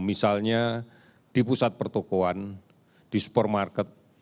misalnya di pusat pertokoan di supermarket